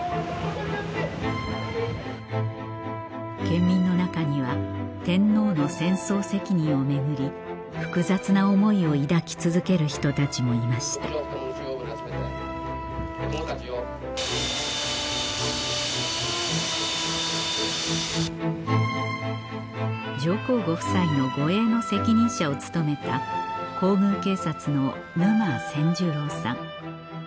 県民の中には天皇の戦争責任を巡り複雑な思いを抱き続ける人たちもいました上皇ご夫妻の護衛の責任者を務めた皇宮警察の沼銑十郎さん